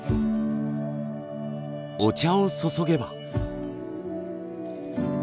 お茶を注げば。